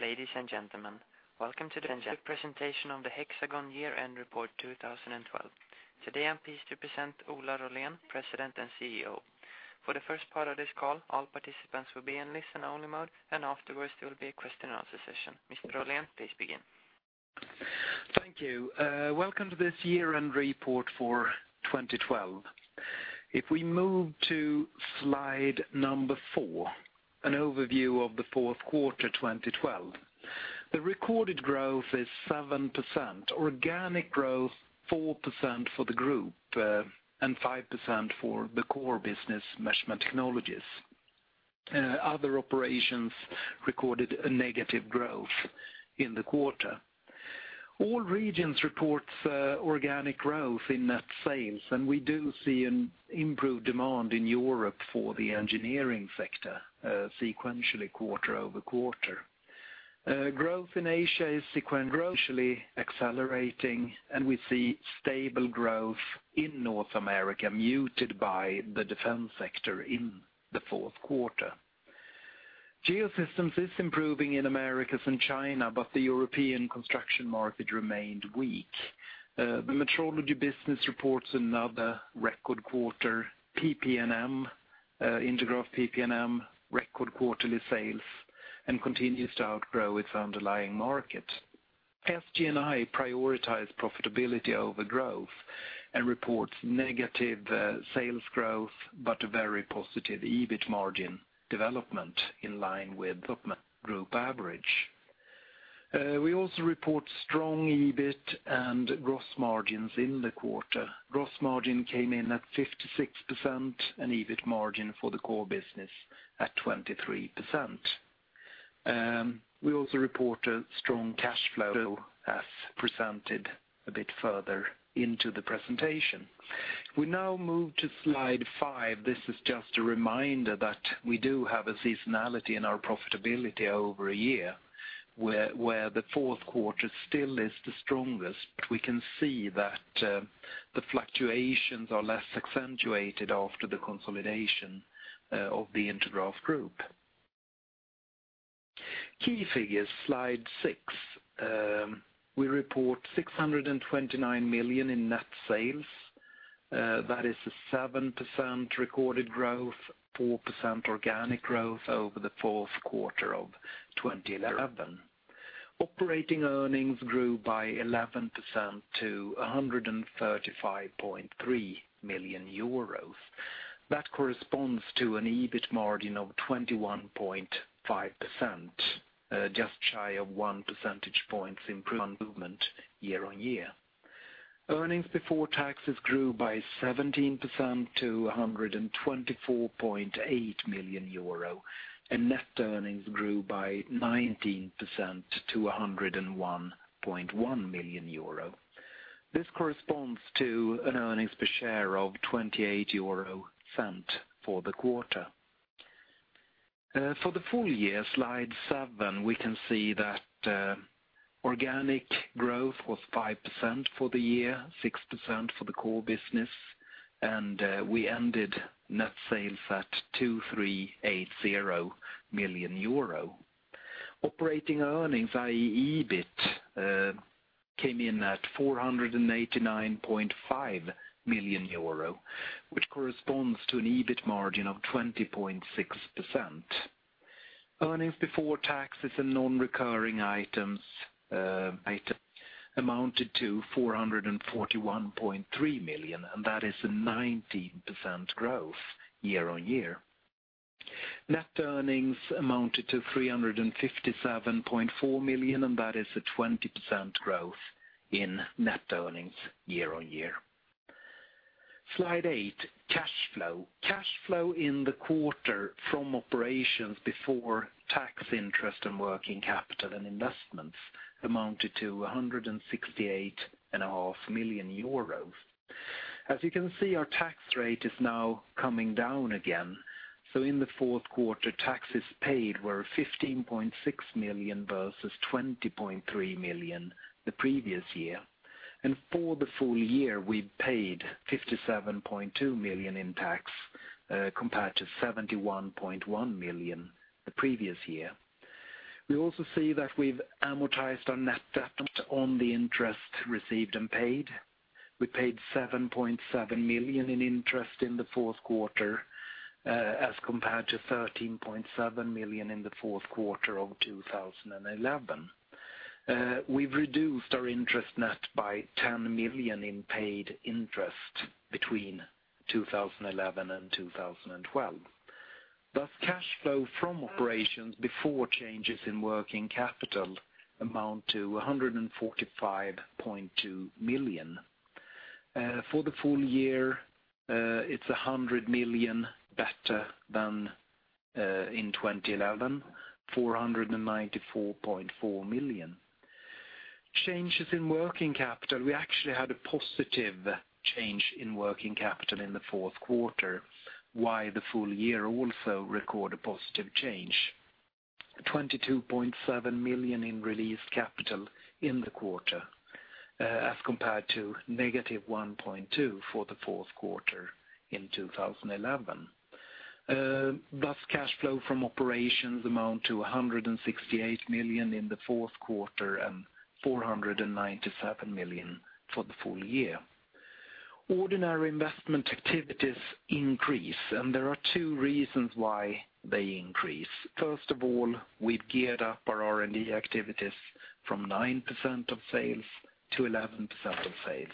Ladies and gentlemen, welcome to the presentation of the Hexagon year-end report 2012. Today, I'm pleased to present Ola Rollén, President and CEO. For the first part of this call, all participants will be in listen-only mode. Afterwards there will be a question and answer session. Mr. Rollén, please begin. Thank you. Welcome to this year-end report for 2012. If we move to slide number four, an overview of the fourth quarter 2012. The recorded growth is 7%, organic growth 5% for the group, 5% for the core business Measurement Technologies. Other operations recorded a negative growth in the quarter. All regions reports organic growth in net sales. We do see an improved demand in Europe for the engineering sector sequentially quarter-over-quarter. Growth in Asia is sequentially accelerating. We see stable growth in North America muted by the defense sector in the fourth quarter. Geosystems is improving in Americas and China. The European construction market remained weak. The metrology business reports another record quarter, Intergraph PP&M, record quarterly sales and continues to outgrow its underlying market. SG&I prioritized profitability over growth. Reports negative sales growth, a very positive EBIT margin development in line with group average. We also report strong EBIT and gross margins in the quarter. Gross margin came in at 56%, EBIT margin for the core business at 23%. We also report a strong cash flow as presented a bit further into the presentation. We now move to slide five. This is just a reminder that we do have a seasonality in our profitability over a year, where the fourth quarter still is the strongest. We can see that the fluctuations are less accentuated after the consolidation of the Intergraph group. Key figures, slide six. We report 629 million in net sales. That is a 7% recorded growth, 4% organic growth over the fourth quarter of 2011. Operating earnings grew by 11% to 135.3 million euros. That corresponds to an EBIT margin of 21.5%, just shy of one percentage points improvement year-on-year. Earnings before taxes grew by 17% to 124.8 million euro. Net earnings grew by 19% to 101.1 million euro. This corresponds to an earnings per share of 0.28 for the quarter. For the full year, slide seven, we can see that organic growth was 5% for the year, 6% for the core business. We ended net sales at 2,380 million euro. Operating earnings, i.e., EBIT, came in at 489.5 million euro, which corresponds to an EBIT margin of 20.6%. Earnings before taxes and non-recurring items amounted to 441.3 million. That is a 19% growth year-on-year. Net earnings amounted to 357.4 million. That is a 20% growth in net earnings year-on-year. Slide eight, cash flow. Cash flow in the quarter from operations before tax interest and working capital and investments amounted to 168.5 million euros. As you can see, our tax rate is now coming down again. In the fourth quarter, taxes paid were 15.6 million versus 20.3 million the previous year. For the full year, we paid 57.2 million in tax, compared to 71.1 million the previous year. We also see that we've amortized our net debt on the interest received and paid. We paid 7.7 million in interest in the fourth quarter, as compared to 13.7 million in the fourth quarter of 2011. We've reduced our interest net by 10 million in paid interest between 2011 and 2012. Thus, cash flow from operations before changes in working capital amount to 145.2 million. For the full year, it's 100 million better than in 2011, 494.4 million. Changes in working capital, we actually had a positive change in working capital in the fourth quarter, while the full year also record a positive change. 22.7 million in released capital in the quarter, as compared to negative 1.2 for the fourth quarter in 2011. Thus cash flow from operations amount to 168 million in the fourth quarter and 497 million for the full year. Ordinary investment activities increase, and there are two reasons why they increase. First of all, we've geared up our R&D activities from 9% of sales to 11% of sales.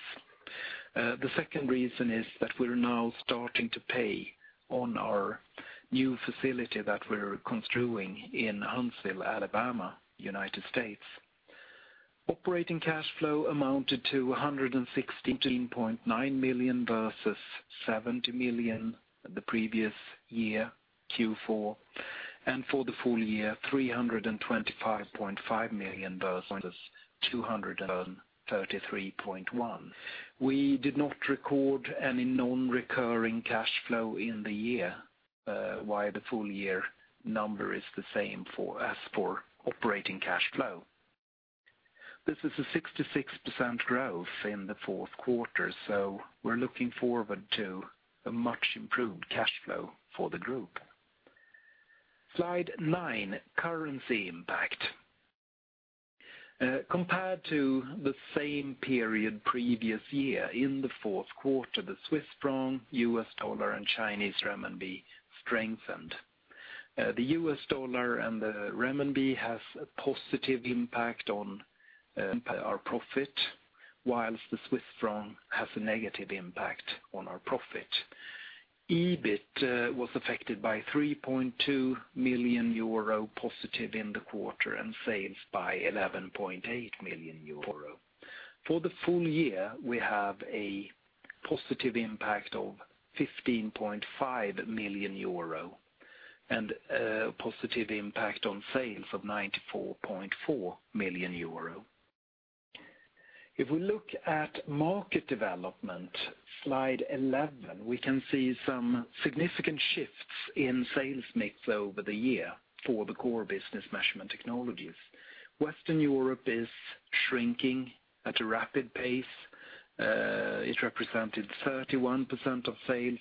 The second reason is that we're now starting to pay on our new facility that we're construing in Huntsville, Alabama, U.S. Operating cash flow amounted to 116.9 million versus 70 million the previous year, Q4, and for the full year, 325.5 million versus 233.1. We did not record any non-recurring cash flow in the year, why the full year number is the same as for operating cash flow. This is a 66% growth in the fourth quarter, so we're looking forward to a much-improved cash flow for the group. Slide nine, currency impact. Compared to the same period previous year in the fourth quarter, the Swiss franc, U.S. dollar, and Chinese renminbi strengthened. The U.S. dollar and the renminbi has a positive impact on our profit, whilst the Swiss franc has a negative impact on our profit. EBIT was affected by 3.2 million euro positive in the quarter and sales by 11.8 million euro. For the full year, we have a positive impact of 15.5 million euro and a positive impact on sales of 94.4 million euro. If we look at market development, slide 11, we can see some significant shifts in sales mix over the year for the core business Measurement Technologies. Western Europe is shrinking at a rapid pace. It represented 31% of sales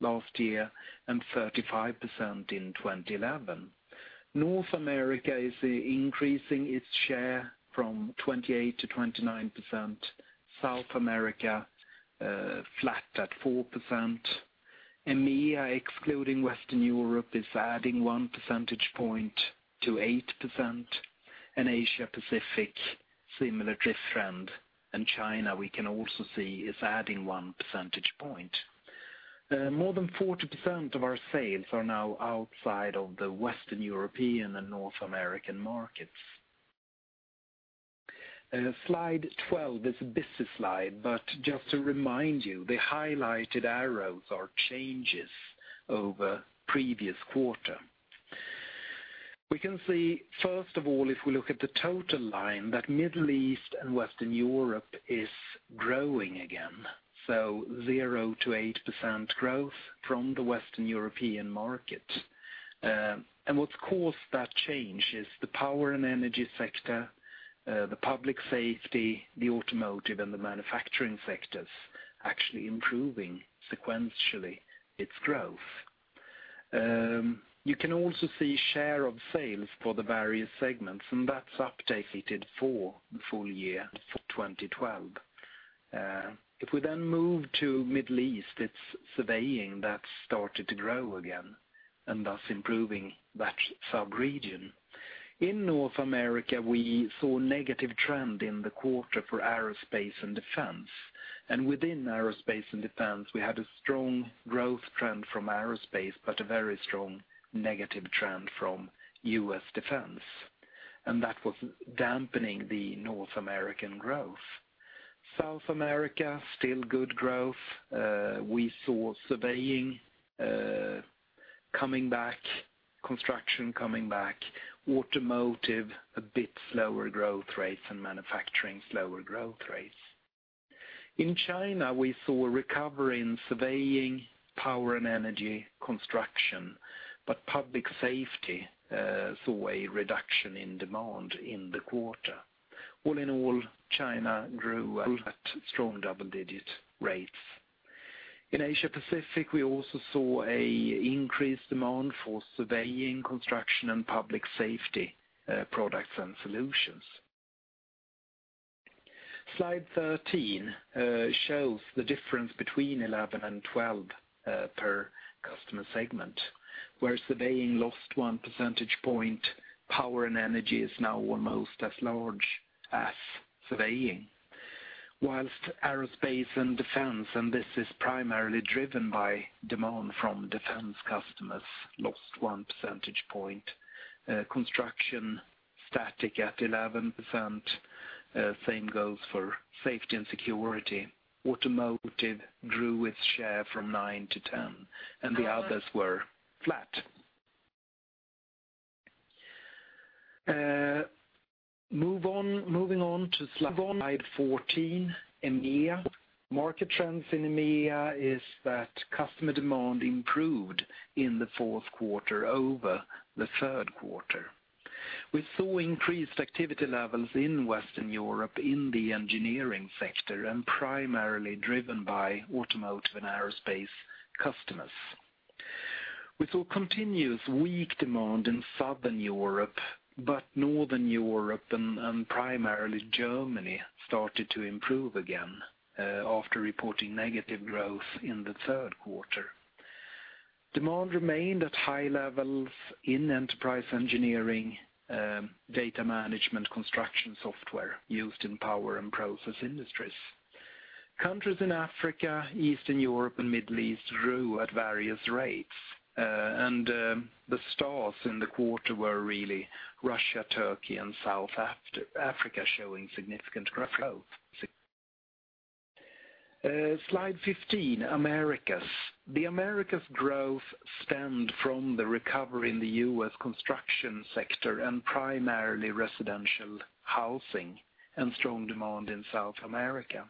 last year and 35% in 2011. North America is increasing its share from 28% to 29%. South America, flat at 4%. EMEA, excluding Western Europe, is adding one percentage point to 8%, and Asia-Pacific, similar trend, and China, we can also see is adding one percentage point. More than 40% of our sales are now outside of the Western European and North American markets. Slide 12 is a busy slide, but just to remind you, the highlighted arrows are changes over previous quarter. We can see, first of all, if we look at the total line, that Middle East and Western Europe is growing again, 0%-8% growth from the Western European market. What's caused that change is the power and energy sector, the public safety, the automotive, and the manufacturing sectors actually improving sequentially its growth. You can also see share of sales for the various segments, and that's up for the full year for 2012. If we then move to Middle East, it's surveying that started to grow again and thus improving that sub-region. In North America, we saw a negative trend in the quarter for aerospace and defense. Within aerospace and defense, we had a strong growth trend from aerospace, but a very strong negative trend from U.S. defense. That was dampening the North American growth. South America, still good growth. We saw surveying coming back, construction coming back, automotive a bit slower growth rates and manufacturing slower growth rates. In China, we saw a recovery in surveying, power and energy, construction, but public safety saw a reduction in demand in the quarter. All in all, China grew at strong double-digit rates. In Asia-Pacific, we also saw an increased demand for surveying, construction, and public safety products and solutions. Slide 13 shows the difference between 2011 and 2012 per customer segment, where surveying lost one percentage point. Power and energy is now almost as large as surveying. Whilst aerospace and defense, this is primarily driven by demand from defense customers, lost one percentage point. Construction, static at 11%. Same goes for safety and security. Automotive grew its share from 9% to 10%. The others were flat. Moving on to slide 14, EMEA. Market trends in EMEA is that customer demand improved in the fourth quarter over the third quarter. We saw increased activity levels in Western Europe in the engineering sector, primarily driven by automotive and aerospace customers. We saw continuous weak demand in Southern Europe, Northern Europe, and primarily Germany, started to improve again after reporting negative growth in the third quarter. Demand remained at high levels in enterprise engineering, data management construction software used in power and process industries. Countries in Africa, Eastern Europe, and Middle East grew at various rates. The stars in the quarter were really Russia, Turkey, and South Africa, showing significant growth. Slide 15, Americas. The Americas growth stemmed from the recovery in the U.S. construction sector, primarily residential housing and strong demand in South America.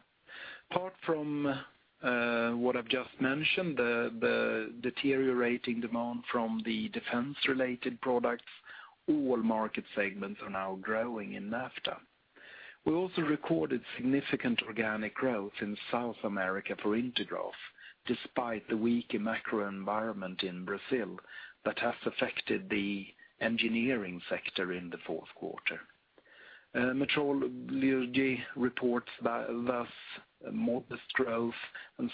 Apart from what I've just mentioned, the deteriorating demand from the defense-related products, all market segments are now growing in NAFTA. We also recorded significant organic growth in South America for Intergraph, despite the weak macro environment in Brazil that has affected the engineering sector in the fourth quarter. Metrology reports thus modest growth.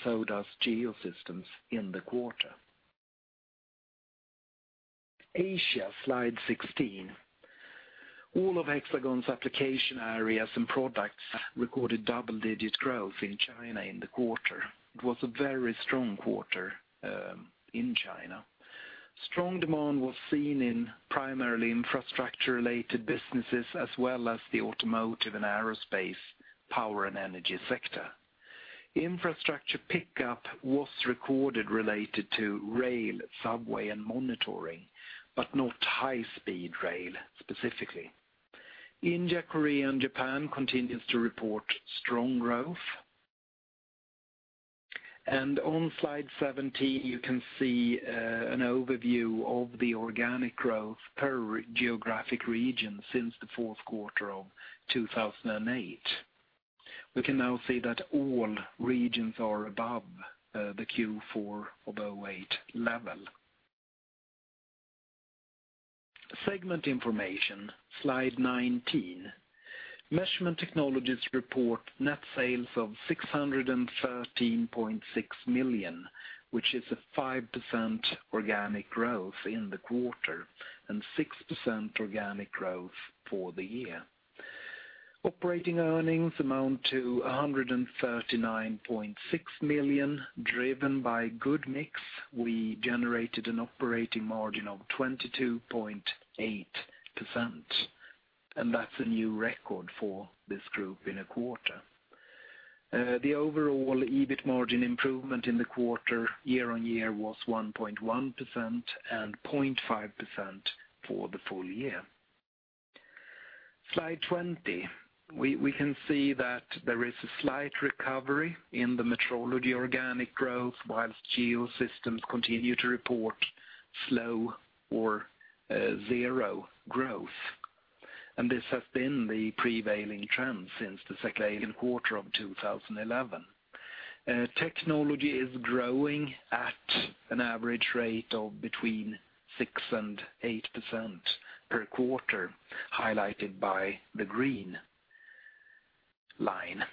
So does Geosystems in the quarter. Asia, slide 16. All of Hexagon's application areas and products recorded double-digit growth in China in the quarter. It was a very strong quarter in China. Strong demand was seen in primarily infrastructure-related businesses, as well as the automotive and aerospace, power and energy sector. Infrastructure pickup was recorded related to rail, subway, and monitoring, but not high-speed rail specifically. India, Korea, and Japan continues to report strong growth. On slide 17, you can see an overview of the organic growth per geographic region since the fourth quarter of 2008. We can now see that all regions are above the Q4 of 2008 level. Segment information, slide 19. Measurement Technologies report net sales of 613.6 million, which is a 5% organic growth in the quarter and 6% organic growth for the year. Operating earnings amount to 139.6 million, driven by good mix. We generated an operating margin of 22.8%, that's a new record for this group in a quarter. The overall EBIT margin improvement in the quarter year-over-year was 1.1% and 0.5% for the full year. Slide 20. We can see that there is a slight recovery in the Metrology organic growth, whilst Geosystems continue to report slow or zero growth. This has been the prevailing trend since the second quarter of 2011. Technology is growing at an average rate of between 6% and 8% per quarter, highlighted by the green line.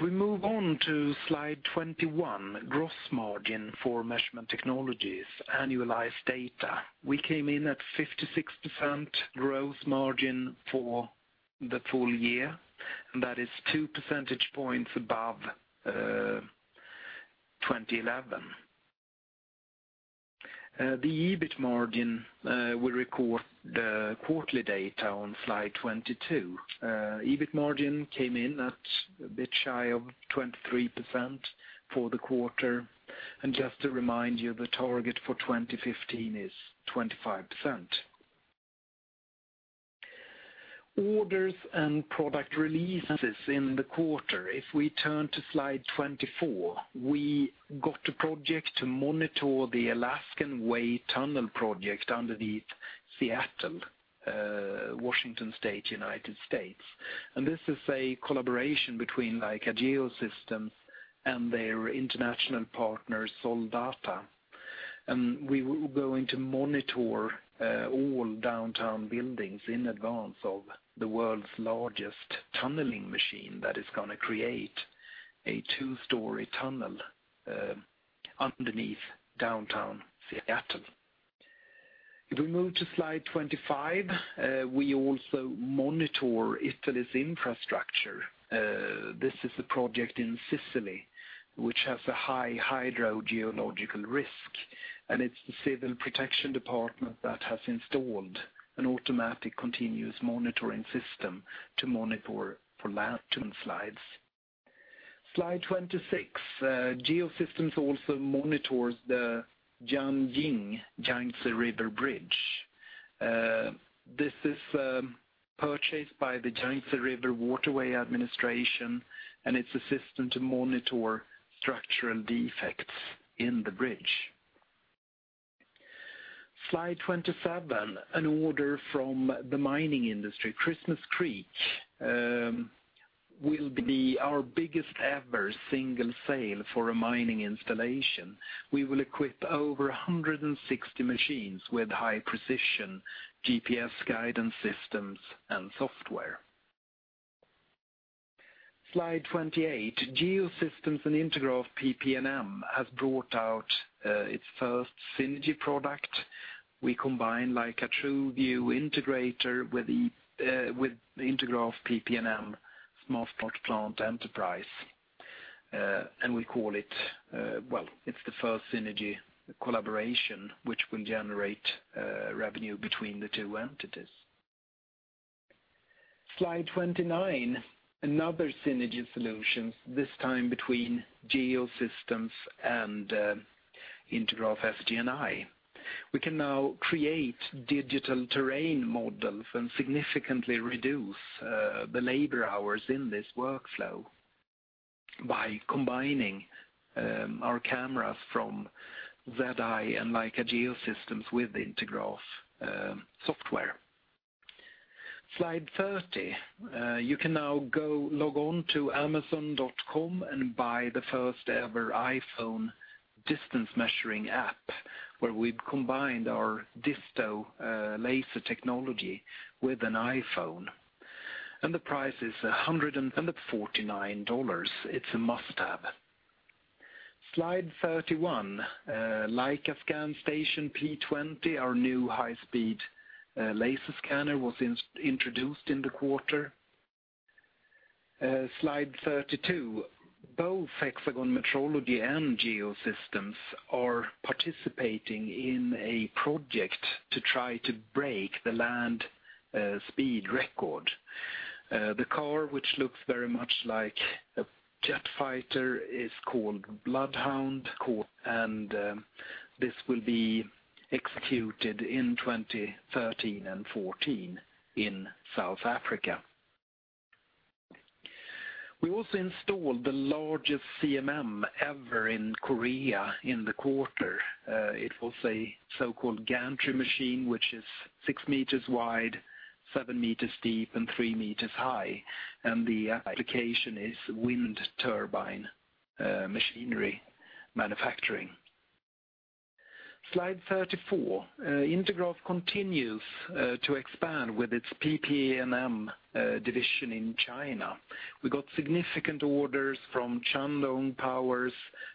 We move on to slide 21, gross margin for Measurement Technologies, annualized data. We came in at 56% gross margin for the full year, that is two percentage points above 2011. The EBIT margin, we record the quarterly data on slide 22. EBIT margin came in at a bit shy of 23% for the quarter. Just to remind you, the target for 2015 is 25%. Orders and product releases in the quarter. We turn to slide 24, we got a project to monitor the Alaskan Way Tunnel Project underneath Seattle, Washington State, U.S. This is a collaboration between Leica Geosystems and their international partner, Soldata. We are going to monitor all downtown buildings in advance of the world's largest tunneling machine that is going to create a two-story tunnel underneath downtown Seattle. We move to slide 25, we also monitor Italy's infrastructure. This is a project in Sicily, which has a high hydrogeological risk, it's the Civil Protection Department that has installed an automatic continuous monitoring system to monitor for landslides. Slide 26. Geosystems also monitors the Jiangyin Yangtze River Bridge. This is purchased by the Yangtze River Waterway Administration, it's a system to monitor structural defects in the bridge. Slide 27. An order from the mining industry, Christmas Creek, will be our biggest ever single sale for a mining installation. We will equip over 160 machines with high-precision GPS guidance systems and software. Slide 28. Geosystems and Intergraph PP&M has brought out its first synergy product. We combine a Leica TruView integrator with Intergraph PP&M SmartPlant Enterprise, we call it the first synergy collaboration, which will generate revenue between the two entities. Slide 29. Another synergy solution, this time between Geosystems and Intergraph SG&I. We can now create digital terrain models and significantly reduce the labor hours in this workflow by combining our cameras from Z-I and Leica Geosystems with Intergraph software. Slide 30. You can now log on to amazon.com and buy the first ever iPhone distance measuring app, where we've combined our Leica DISTO laser technology with an iPhone. The price is EUR 149. It's a must-have. Slide 31. Leica ScanStation P20, our new high-speed laser scanner, was introduced in the quarter. Slide 32. Both Hexagon Metrology and Geosystems are participating in a project to try to break the land speed record. The car, which looks very much like a jet fighter, is called Bloodhound, and this will be executed in 2013 and 2014 in South Africa. We also installed the largest CMM ever in Korea in the quarter. It was a so-called gantry machine, which is 6 meters wide, 7 meters deep, and 3 meters high. The application is wind turbine machinery manufacturing. Slide 34. Intergraph continues to expand with its PP&M division in China. We got significant orders from Shandong Powers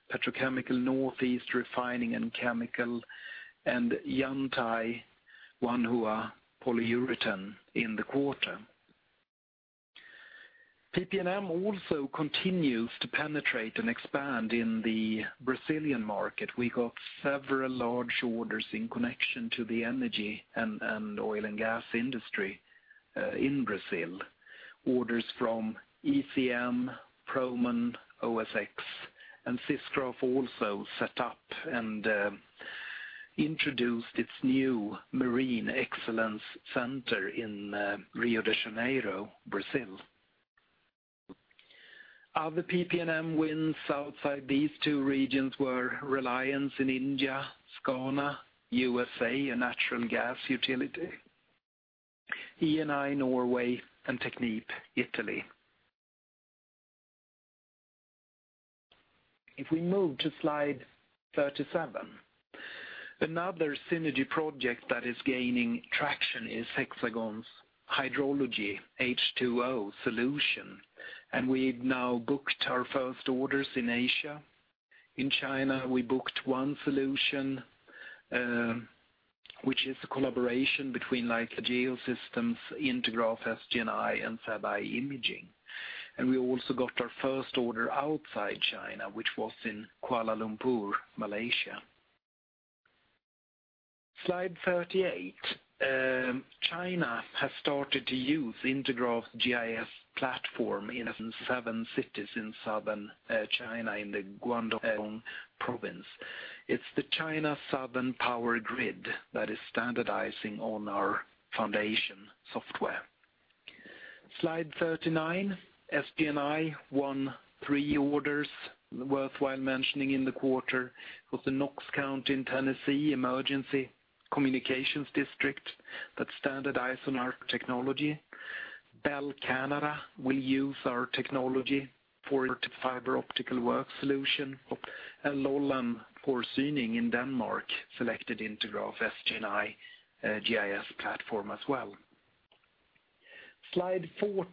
Petrochemical, Northeast Refining and Chemical, and Yantai Wanhua Polyurethane in the quarter. PP&M also continues to penetrate and expand in the Brazilian market. We got several large orders in connection to the energy and oil and gas industry in Brazil. Orders from ECM, Promon, OSX, and Sisgraph also set up and introduced its new marine excellence center in Rio de Janeiro, Brazil. Other PP&M wins outside these two regions were Reliance in India, SCANA U.S.A., a natural gas utility, Eni Norge, and Technip Italy. If we move to Slide 37. Another synergy project that is gaining traction is Hexagon's hydrology H2O solution, and we've now booked our first orders in Asia. In China, we booked one solution, which is a collaboration between Leica Geosystems, Intergraph, SG&I, and SatEye Imaging. We also got our first order outside China, which was in Kuala Lumpur, Malaysia. Slide 38. China has started to use Intergraph GIS platform in seven cities in southern China in the Guangdong province. It's the China Southern Power Grid that is standardizing on our foundation software. Slide 39. SG&I won three orders worthwhile mentioning in the quarter with the Knox County, Tennessee Emergency Communications District that standardize on our technology. Bell Canada will use our technology for fiber optical work solution, and Lolland Forsyning in Denmark selected Intergraph SG&I GIS platform as well. Slide 40.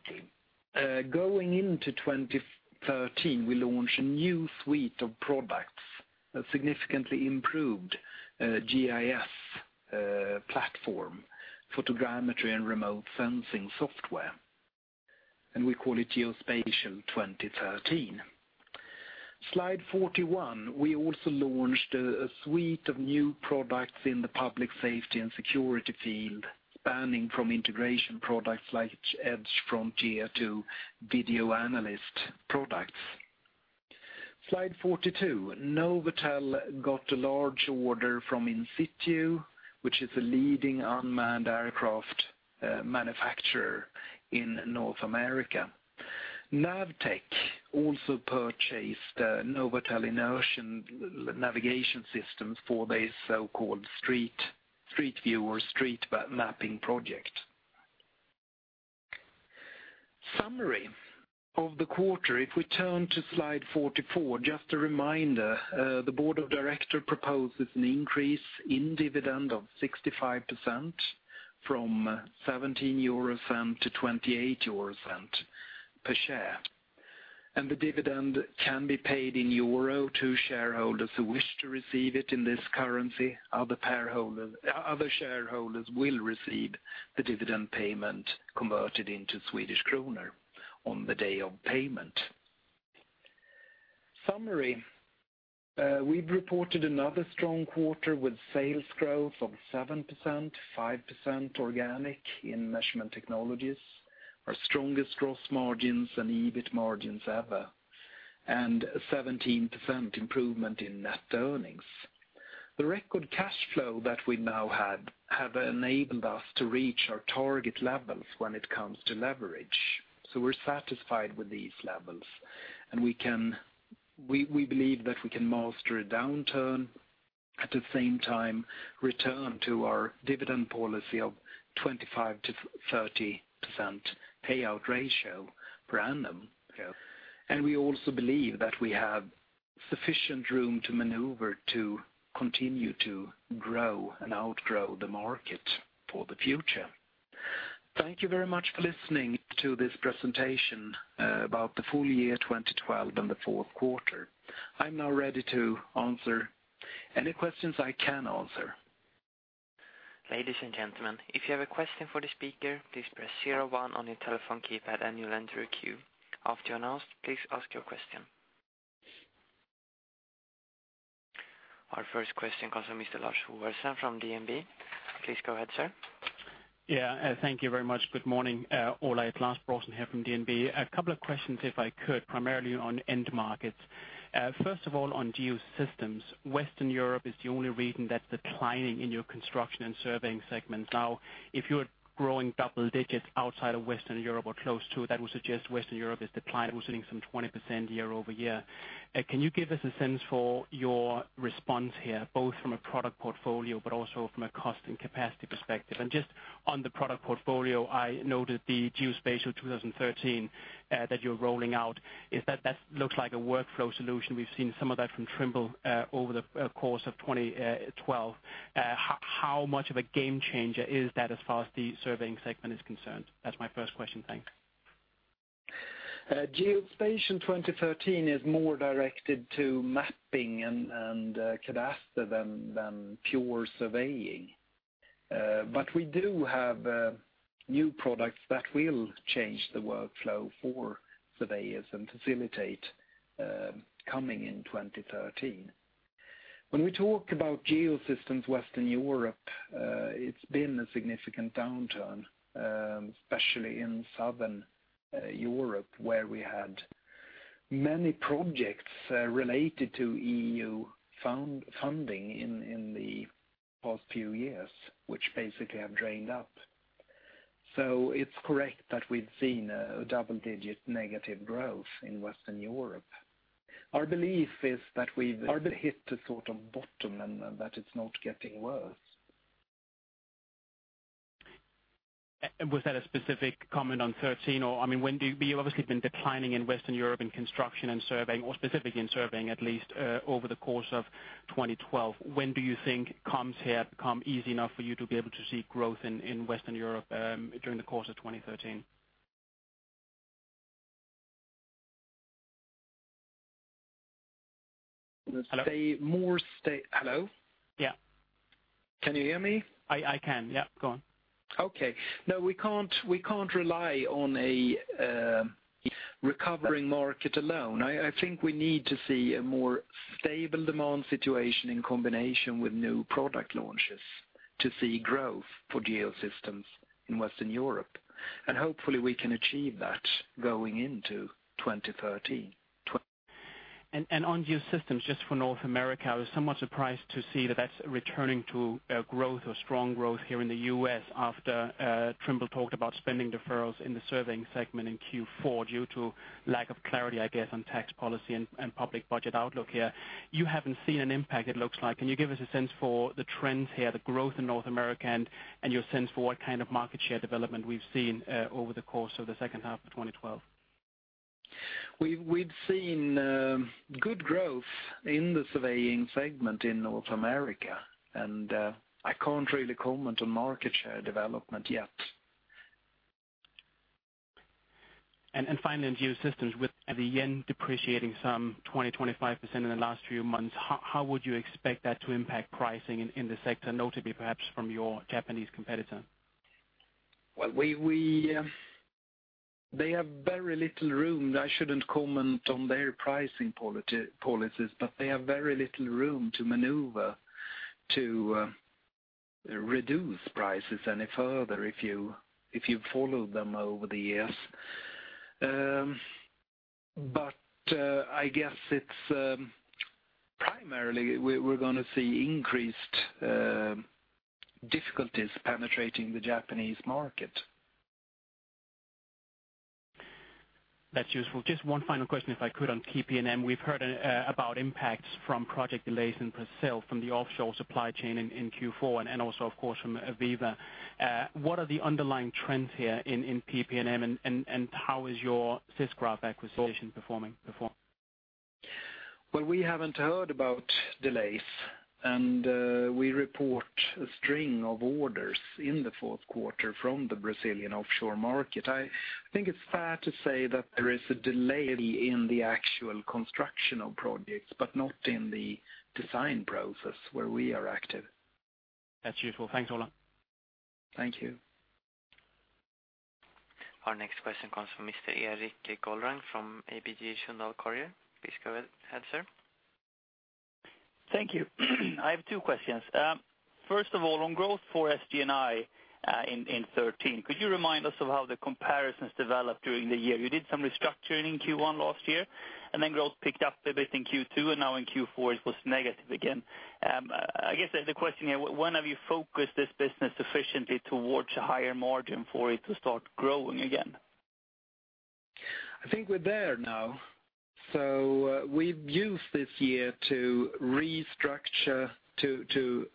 Going into 2013, we launched a new suite of products, a significantly improved GIS platform, photogrammetry, and remote sensing software, and we call it Geospatial 2013. Slide 41. We also launched a suite of new products in the public safety and security field, spanning from integration products like EdgeFrontier to video analyst products. Slide 42. NovAtel got a large order from Insitu, which is a leading unmanned aircraft manufacturer in North America. NAVTEQ also purchased NovAtel inertial navigation systems for their so-called street view or street mapping project. Summary of the quarter, if we turn to Slide 44, just a reminder, the board of director proposes an increase in dividend of 65% from 0.17 to 0.28 per share. The dividend can be paid in EUR to shareholders who wish to receive it in this currency. Other shareholders will receive the dividend payment converted into SEK on the day of payment. Summary. We've reported another strong quarter with sales growth of 7%, 5% organic in Measurement Technologies. Our strongest gross margins and EBIT margins ever, and 17% improvement in net earnings. The record cash flow that we now have enabled us to reach our target levels when it comes to leverage. We're satisfied with these levels and we believe that we can master a downturn, at the same time, return to our dividend policy of 25%-30% payout ratio per annum. We also believe that we have sufficient room to maneuver to continue to grow and outgrow the market for the future. Thank you very much for listening to this presentation about the full year 2012 and the fourth quarter. I'm now ready to answer any questions I can answer. Ladies and gentlemen, if you have a question for the speaker, please press 01 on your telephone keypad and you'll enter a queue. After announced, please ask your question. Our first question comes from Mr. Lars Brorson from DNB. Please go ahead, sir. Thank you very much. Good morning, all. Lars Brorson here from DNB. A couple of questions, if I could, primarily on end markets. First of all, on Geosystems, Western Europe is the only region that's declining in your construction and surveying segments. If you're growing double digits outside of Western Europe or close to, that would suggest Western Europe is declining, we're seeing some 20% year-over-year. Can you give us a sense for your response here, both from a product portfolio, but also from a cost and capacity perspective? Just on the product portfolio, I noted the Geospatial 2013 that you're rolling out. That looks like a workflow solution. We've seen some of that from Trimble over the course of 2012. How much of a game changer is that as far as the surveying segment is concerned? That's my first question. Thanks. Geospatial 2013 is more directed to mapping and cadastre than pure surveying. We do have new products that will change the workflow for surveyors and facilitate coming in 2013. When we talk about Geosystems Western Europe, it's been a significant downturn, especially in Southern Europe, where we had many projects related to EU funding in the past few years, which basically have drained up. It's correct that we've seen a double-digit negative growth in Western Europe. Our belief is that we've hit the sort of bottom and that it's not getting worse. Was that a specific comment on 2013? You've obviously been declining in Western Europe in construction and surveying, or specifically in surveying at least, over the course of 2012. When do you think comps here become easy enough for you to be able to see growth in Western Europe, during the course of 2013? Hello? Hello? Yeah. Can you hear me? I can, yeah. Go on. Okay. No, we can't rely on a recovering market alone. I think we need to see a more stable demand situation in combination with new product launches to see growth for Geosystems in Western Europe. Hopefully we can achieve that going into 2013. On Geosystems, just for North America, I was somewhat surprised to see that that's returning to growth or strong growth here in the U.S. after Trimble talked about spending deferrals in the surveying segment in Q4 due to lack of clarity, I guess, on tax policy and public budget outlook here. You haven't seen an impact, it looks like. Can you give us a sense for the trends here, the growth in North America, and your sense for what kind of market share development we've seen over the course of the second half of 2012? We've seen good growth in the surveying segment in North America, and I can't really comment on market share development yet. Finally, in Geosystems, with the JPY depreciating some 20%-25% in the last few months, how would you expect that to impact pricing in the sector, notably perhaps from your Japanese competitor? They have very little room. I shouldn't comment on their pricing policies, they have very little room to maneuver to reduce prices any further, if you've followed them over the years. I guess it's primarily we're going to see increased difficulties penetrating the Japanese market. That's useful. Just one final question, if I could, on PP&M. We've heard about impacts from project delays in Brazil from the offshore supply chain in Q4, and also, of course, from AVEVA. What are the underlying trends here in PP&M, and how is your Sisgraph acquisition performing? Well, we haven't heard about delays, we report a string of orders in the fourth quarter from the Brazilian offshore market. I think it's fair to say that there is a delay in the actual construction of projects, not in the design process where we are active. That's useful. Thanks, Ola. Thank you. Our next question comes from Mr. Erik Golrang from ABG Sundal Collier. Please go ahead, sir. Thank you. I have two questions. First of all, on growth for SG&I in 2013, could you remind us of how the comparisons developed during the year? You did some restructuring in Q1 last year, then growth picked up a bit in Q2, now in Q4 it was negative again. I guess the question here, when have you focused this business sufficiently towards a higher margin for it to start growing again? I think we're there now. We've used this year to restructure, to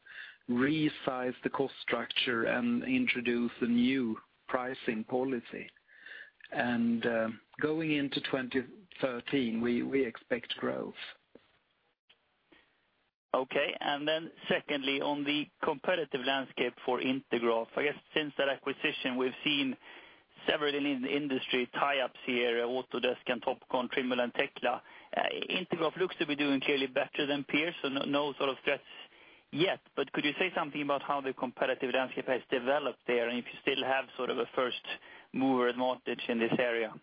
resize the cost structure, and introduce a new pricing policy. Going into 2013, we expect growth. Secondly, on the competitive landscape for Intergraph. I guess since that acquisition, we've seen several industry tie-ups here, Autodesk and Topcon, Trimble and Tekla. Intergraph looks to be doing clearly better than peers. No sort of threats yet. Could you say something about how the competitive landscape has developed there, and if you still have a first-mover advantage in this area?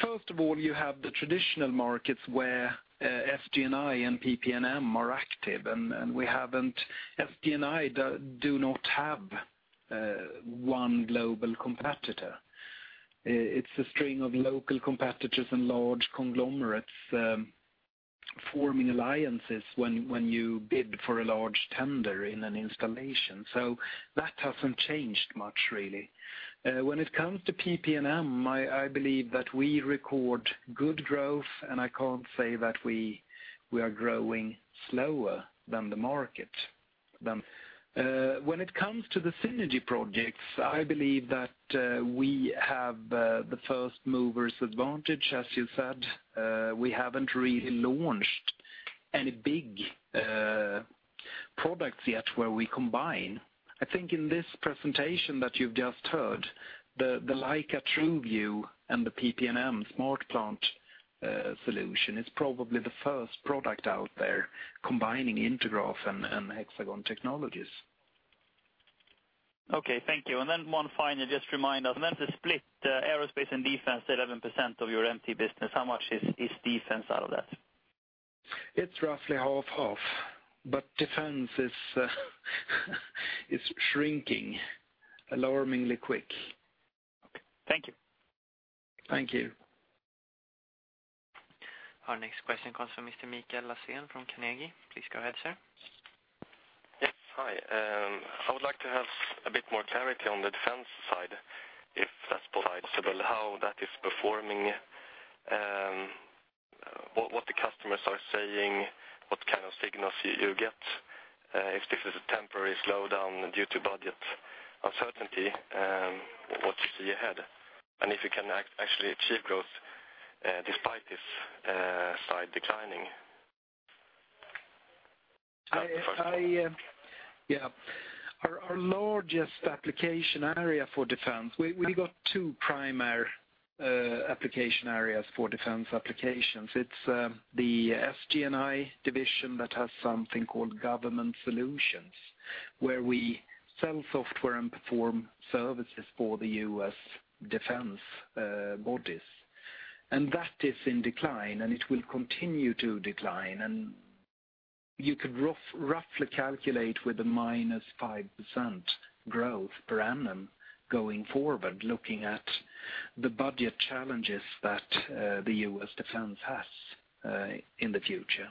First of all, you have the traditional markets where SG&I and PP&M are active. SG&I do not have one global competitor. It's a string of local competitors and large conglomerates forming alliances when you bid for a large tender in an installation. That hasn't changed much, really. When it comes to PP&M, I believe that we record good growth. I can't say that we are growing slower than the market. When it comes to the synergy projects, I believe that we have the first mover's advantage, as you said. We haven't really launched any big products yet where we combine. I think in this presentation that you've just heard, the Leica TruView and the PP&M SmartPlant solution is probably the first product out there combining Intergraph and Hexagon technologies. Okay, thank you. One final, just remind us. That's the split Aerospace and Defense, 11% of your MT business. How much is defense out of that? It's roughly half/half. Defense is shrinking alarmingly quick. Okay. Thank you. Thank you. Our next question comes from Mr. Mikael Sandén from Carnegie. Please go ahead, sir. Yes. Hi. I would like to have a bit more clarity on the defense side, if that's possible, how that is performing, what the customers are saying, what kind of signals you get, if this is a temporary slowdown due to budget uncertainty, what you see ahead, and if you can actually achieve growth despite this side declining. Our largest application area for defense, we got two primary application areas for defense applications. It's the SG&I division that has something called government solutions, where we sell software and perform services for the U.S. defense bodies. That is in decline, and it will continue to decline, and you could roughly calculate with a minus 5% growth per annum going forward, looking at the budget challenges that the U.S. defense has in the future.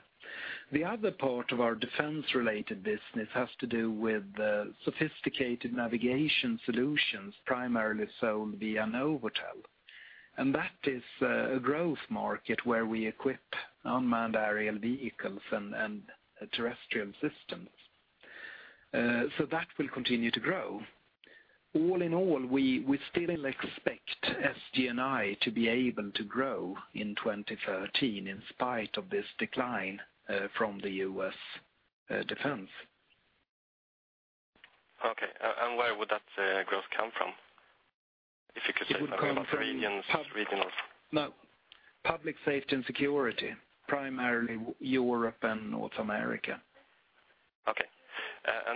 The other part of our defense-related business has to do with sophisticated navigation solutions, primarily sold via NovAtel. That is a growth market where we equip unmanned aerial vehicles and terrestrial systems. That will continue to grow. All in all, we still expect SG&I to be able to grow in 2013 in spite of this decline from the U.S. defense. Okay, where would that growth come from? It would come from. About regions. No. Public safety and security, primarily Europe and North America.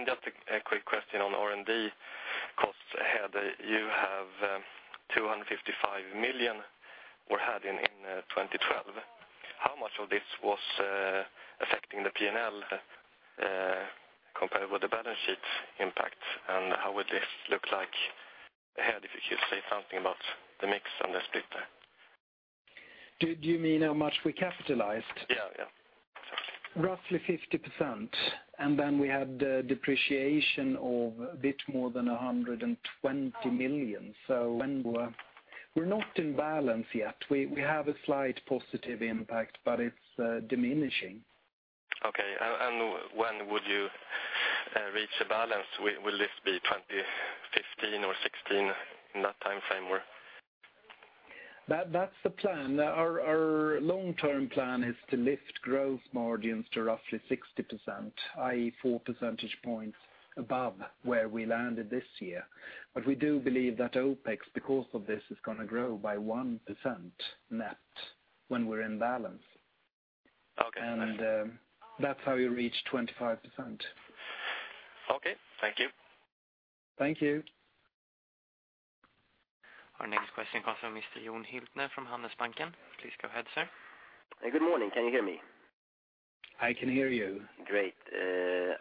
Just a quick question on R&D costs ahead. You have 255 million, or had in 2012. How much of this was affecting the P&L, compared with the balance sheet impact, and how would this look like ahead? If you could say something about the mix and the split there. Do you mean how much we capitalized? Yeah. Roughly 50%. Then we had depreciation of a bit more than 120 million. We're not in balance yet. We have a slight positive impact, but it's diminishing. Okay. When would you reach a balance? Will this be 2015 or 2016, in that time frame? That's the plan. Our long-term plan is to lift growth margins to roughly 60%, i.e., four percentage points above where we landed this year. We do believe that OPEX, because of this, is going to grow by 1% net when we're in balance. Okay. That's how you reach 25%. Okay. Thank you. Thank you. Our next question comes from Mr. Johan Dahl from Handelsbanken. Please go ahead, sir. Good morning. Can you hear me? I can hear you. Great.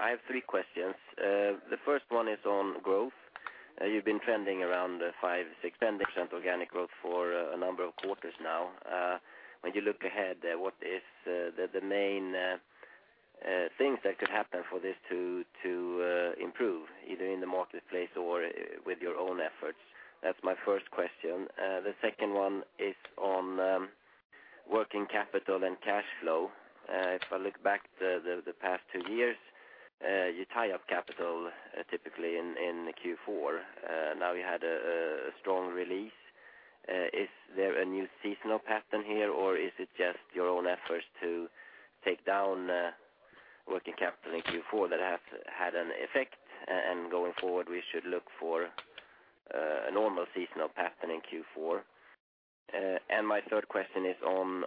I have three questions. The first one is on growth. You've been trending around 5%, 6% organic growth for a number of quarters now. When you look ahead, what is the main things that could happen for this to improve, either in the marketplace or with your own efforts? That's my first question. The second one is on working capital and cash flow. If I look back the past two years, you tie up capital, typically, in Q4. Now you had a strong release. Is there a new seasonal pattern here, or is it just your own efforts to take down working capital in Q4 that had an effect, and going forward, we should look for a normal seasonal pattern in Q4? My third question is on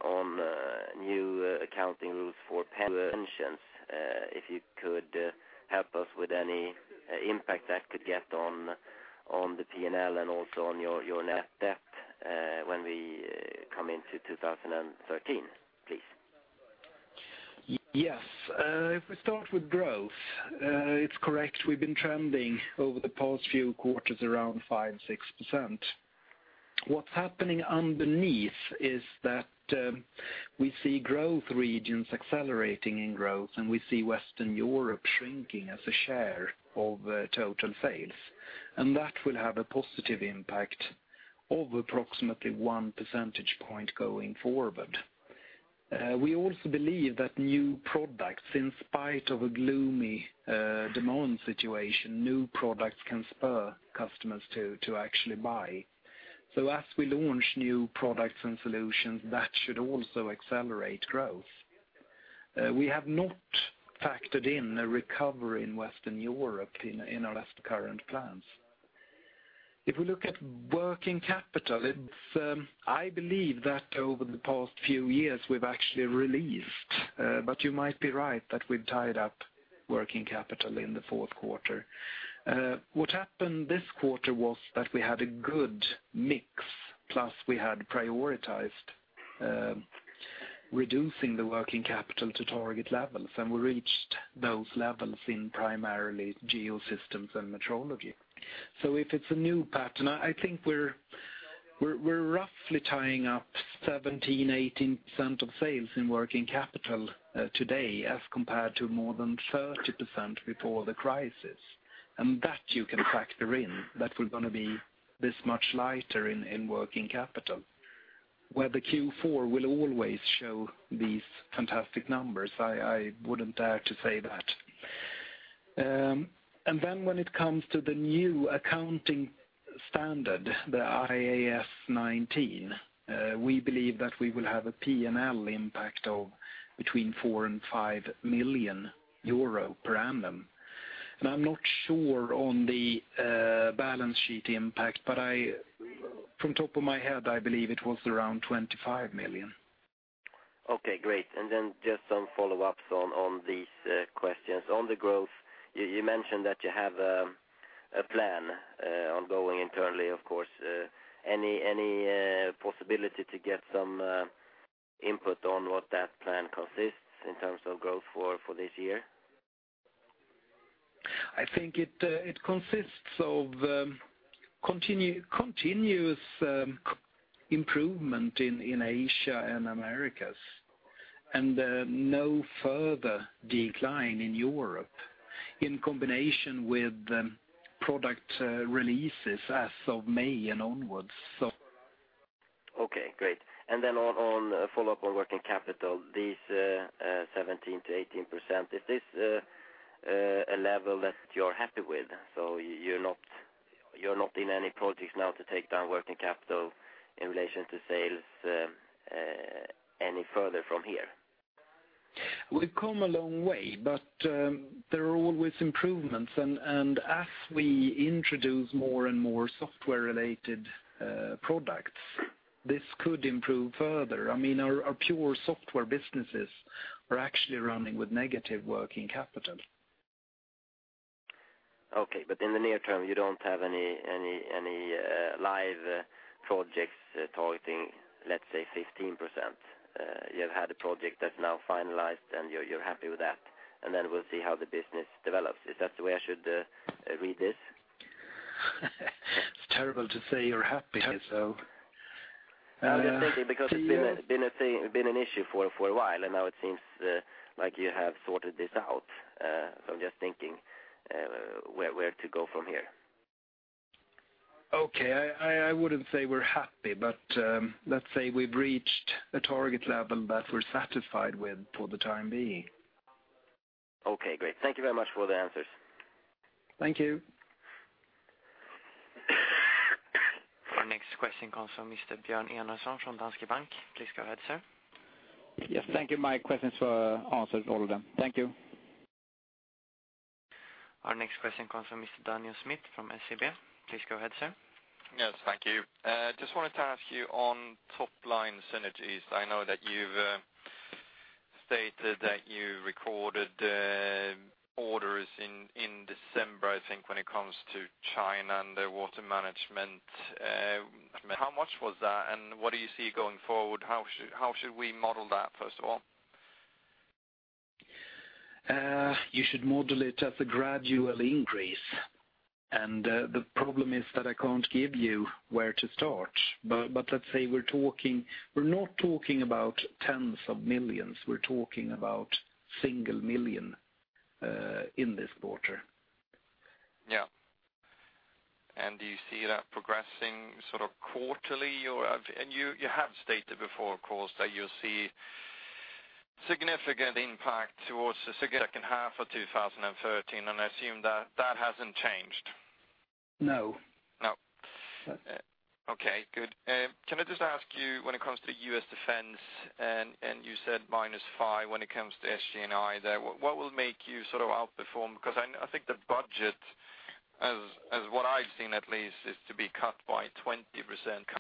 new accounting rules for pensions. If you could help us with any impact that could get on the P&L and also on your net debt, when we come into 2013, please. Yes. If we start with growth, it's correct. We've been trending over the past few quarters around 5%, 6%. What's happening underneath is that we see growth regions accelerating in growth, and we see Western Europe shrinking as a share of total sales. That will have a positive impact of approximately one percentage point going forward. We also believe that new products, in spite of a gloomy demand situation, new products can spur customers to actually buy. As we launch new products and solutions, that should also accelerate growth. We have not factored in a recovery in Western Europe in our current plans. If we look at working capital, I believe that over the past few years, we've actually released, but you might be right that we've tied up working capital in the fourth quarter. What happened this quarter was that we had a good mix, plus we had prioritized reducing the working capital to target levels, and we reached those levels in primarily Geosystems and Metrology. If it's a new pattern, I think we're roughly tying up 17%, 18% of sales in working capital today as compared to more than 30% before the crisis. That you can factor in, that we're going to be this much lighter in working capital. Whether Q4 will always show these fantastic numbers, I wouldn't dare to say that. When it comes to the new accounting standard, the IAS 19, we believe that we will have a P&L impact of between 4 million and 5 million euro per annum. I'm not sure on the balance sheet impact, but from top of my head, I believe it was around 25 million. Okay, great. Just some follow-ups on these questions. On the growth, you mentioned that you have a plan ongoing internally, of course. Any possibility to get some input on what that plan consists in terms of growth for this year? I think it consists of continuous improvement in Asia and Americas, and no further decline in Europe, in combination with product releases as of May and onwards. Okay, great. On follow-up on working capital, this 17%-18%, is this a level that you're happy with? You're not in any projects now to take down working capital in relation to sales any further from here? We've come a long way, but there are always improvements. As we introduce more and more software-related products, this could improve further. Our pure software businesses are actually running with negative working capital. Okay. In the near term, you don't have any live projects targeting, let's say, 15%? You have had a project that's now finalized, and you're happy with that, and then we'll see how the business develops. Is that the way I should read this? It's terrible to say you're happy. I'm just thinking because it's been an issue for a while, and now it seems like you have sorted this out. I'm just thinking where to go from here. Okay. I wouldn't say we're happy, but let's say we've reached a target level that we're satisfied with for the time being. Okay, great. Thank you very much for the answers. Thank you. Our next question comes from Mr. Björn Enarson from Danske Bank. Please go ahead, sir. Yes, thank you. My questions were answered, all of them. Thank you. Our next question comes from Mr. Daniel Djurberg from SEB. Please go ahead, sir. Yes, thank you. Just wanted to ask you on top-line synergies. I know that you've stated that you recorded orders in December, I think, when it comes to China and their water management. How much was that, and what do you see going forward? How should we model that, first of all? You should model it as a gradual increase. The problem is that I can't give you where to start. Let's say we're not talking about EUR tens of millions. We're talking about EUR single million in this quarter. Yeah. Do you see that progressing sort of quarterly? You have stated before, of course, that you see significant impact towards the second half of 2013, and I assume that that hasn't changed. No. No. Okay, good. Can I just ask you when it comes to U.S. Defense, you said -5 when it comes to SG&I there. What will make you sort of outperform, because I think the budget, as what I've seen at least, is to be cut by 20%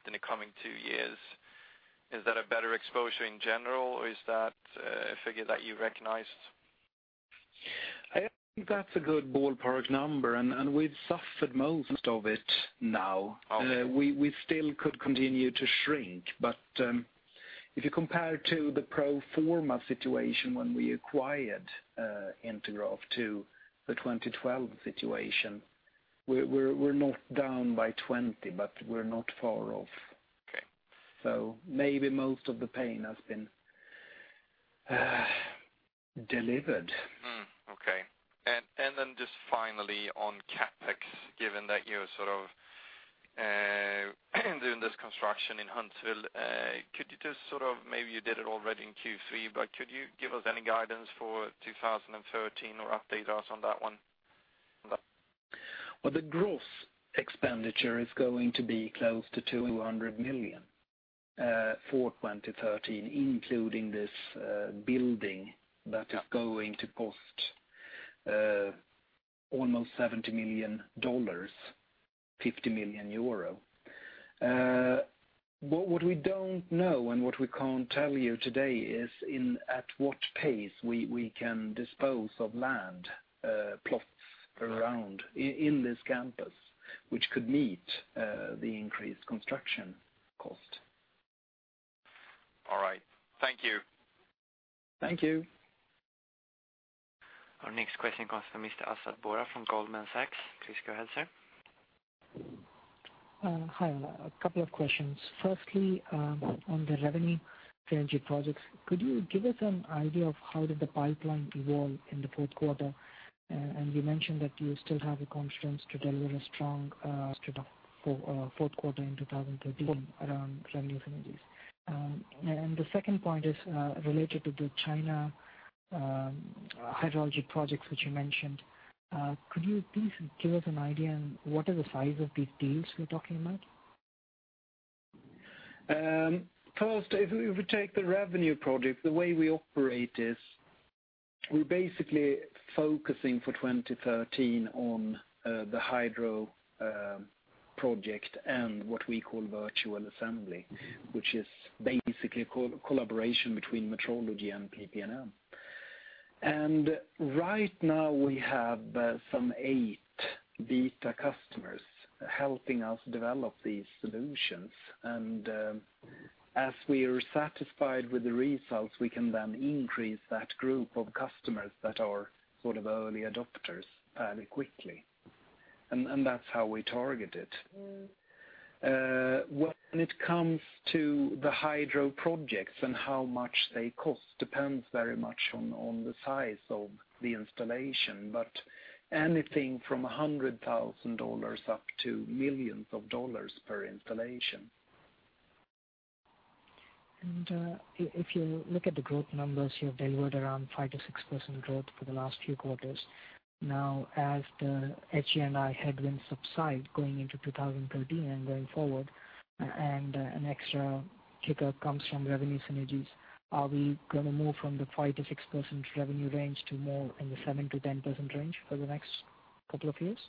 in the coming two years. Is that a better exposure in general, or is that a figure that you recognized? I think that's a good ballpark number, we've suffered most of it now. We still could continue to shrink, if you compare it to the pro forma situation when we acquired Intergraph to the 2012 situation, we're not down by 20, but we're not far off. Okay. Maybe most of the pain has been delivered. Okay. Then just finally on CapEx, given that you're sort of doing this construction in Huntsville, could you just sort of, maybe you did it already in Q3, but could you give us any guidance for 2013 or update us on that one? Well, the gross expenditure is going to be close to 200 million for 2013, including this building that is going to cost almost $70 million, 50 million euro. What we don't know, and what we can't tell you today is at what pace we can dispose of land plots around in this campus, which could meet the increased construction cost. All right. Thank you. Thank you. Our next question comes from Mr. Asad Bora from Goldman Sachs. Please go ahead, sir. Hi. A couple of questions. Firstly, on the revenue synergy projects, could you give us an idea of how did the pipeline evolve in the fourth quarter? You mentioned that you still have the confidence to deliver a strong fourth quarter in 2013 around revenue synergies. The second point is related to the China hydrology projects, which you mentioned. Could you please give us an idea on what are the size of these deals we're talking about? First, if we take the revenue project, the way we operate is we're basically focusing for 2013 on the hydro project and what we call virtual assembly, which is basically a collaboration between Metrology and PP&M. Right now, we have some eight beta customers helping us develop these solutions. As we are satisfied with the results, we can then increase that group of customers that are sort of early adopters fairly quickly. That's how we target it. When it comes to the hydro projects and how much they cost depends very much on the size of the installation, but anything from $100,000 up to millions of dollars per installation. If you look at the growth numbers, you have delivered around 5%-6% growth for the last few quarters. Now, as the SG&I headwinds subside going into 2013 and going forward and an extra kicker comes from revenue synergies, are we going to move from the 5%-6% revenue range to more in the 7%-10% range for the next couple of years?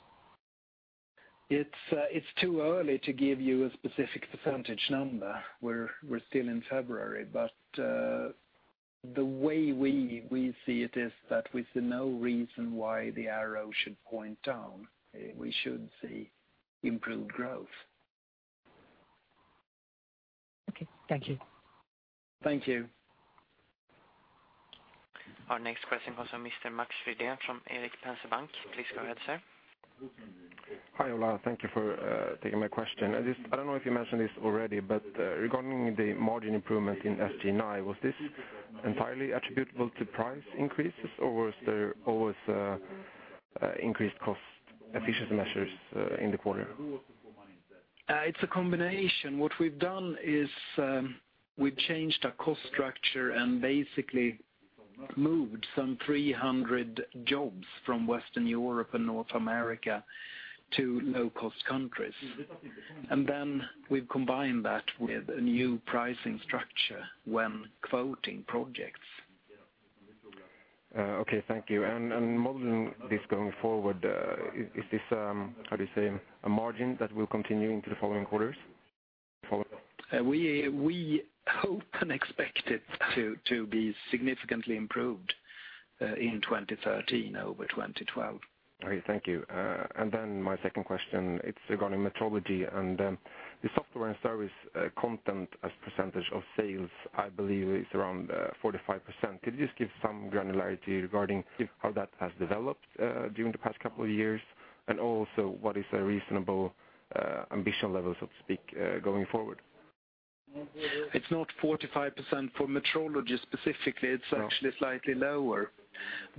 It's too early to give you a specific percentage number. We're still in February, but the way we see it is that we see no reason why the arrow should point down. We should see improved growth. Okay, thank you. Thank you. Our next question comes from Mr. Max Fridén from Erik Penser Bank. Please go ahead, sir. Hi, Ola. Thank you for taking my question. I don't know if you mentioned this already, but regarding the margin improvement in SG&I, was this entirely attributable to price increases, or was there always increased cost efficiency measures in the quarter? It's a combination. What we've done is we've changed our cost structure and basically moved some 300 jobs from Western Europe and North America to low-cost countries. Then we've combined that with a new pricing structure when quoting projects. Okay, thank you. Modeling this going forward, is this, how do you say, a margin that will continue into the following quarters? We hope and expect it to be significantly improved in 2030 over 2012. Okay, thank you. My second question, it's regarding Metrology and the software and service content as a percentage of sales, I believe is around 45%. Could you just give some granularity regarding how that has developed during the past couple of years? What is a reasonable ambition level, so to speak, going forward? It's not 45% for metrology specifically, it's actually slightly lower,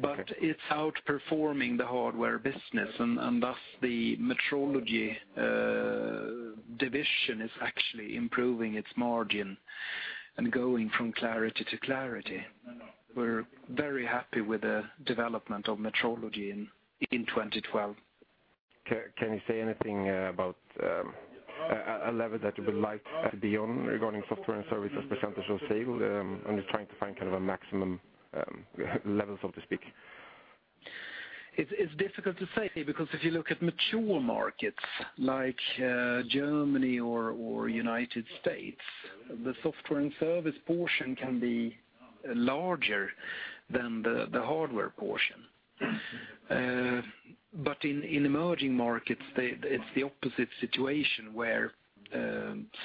but it's outperforming the hardware business, and thus the metrology division is actually improving its margin and going from clarity to clarity. We're very happy with the development of metrology in 2012. Can you say anything about a level that you would like to be on regarding software and services percentage of sale? I'm just trying to find a maximum level, so to speak. It's difficult to say, because if you look at mature markets like Germany or United States, the software and service portion can be larger than the hardware portion. In emerging markets, it's the opposite situation, where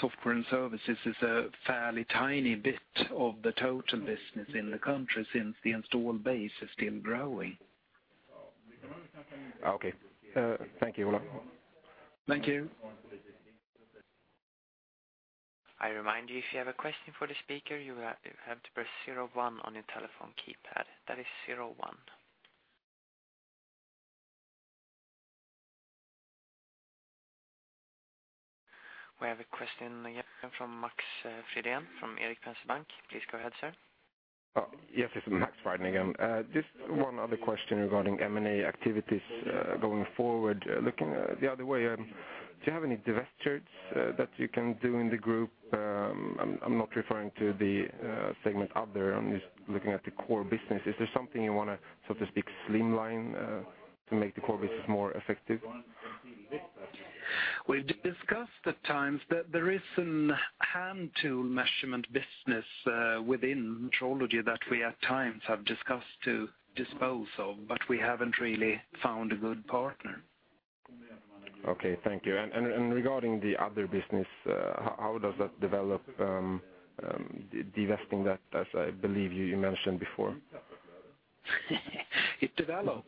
software and services is a fairly tiny bit of the total business in the country since the install base is still growing. Okay. Thank you, Ola. Thank you. I remind you, if you have a question for the speaker, you have to press 01 on your telephone keypad. That is zero one. We have a question from Max Fridén from Erik Penser Bank. Please go ahead, sir. Yes, this is Max Fridén again. Just one other question regarding M&A activities going forward. Looking the other way, do you have any divestitures that you can do in the group? I'm not referring to the segment other, I'm just looking at the core business. Is there something you want to, so to speak, slimline to make the core business more effective? We've discussed at times that there is an hand tool measurement business within metrology that we at times have discussed to dispose of, but we haven't really found a good partner. Okay, thank you. Regarding the other business, how does that develop, divesting that as I believe you mentioned before? It develops